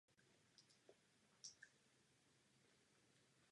V tomto módu není možná vůbec žádná interakce s prostředím.